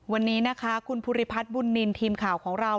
วันนี้นะคะคุณภูริพัฒน์บุญนินทีมข่าวของเรา